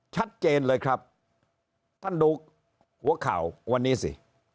ชัดเจนเลยครับท่านดูหัวข่าววันนี้สิ